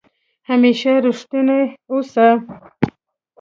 همېشه ریښتونی اوسه